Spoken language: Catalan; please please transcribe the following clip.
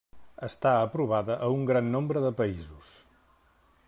Està aprovada a un gran nombre de països.